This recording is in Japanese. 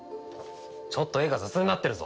ちょっと絵が雑になってるぞ。